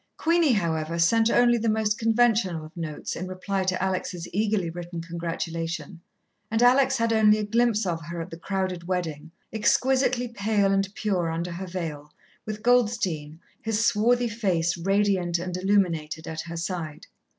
Queenie, however, sent only the most conventional of notes in reply to Alex' eagerly written congratulation, and Alex had only a glimpse of her at the crowded wedding, exquisitely pale and pure under her veil, with Goldstein, his swarthy face radiant and illuminated, at her side.